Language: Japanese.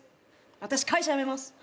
私会社辞めます。